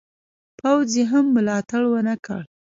پوځ یې هم ملاتړ ونه کړ.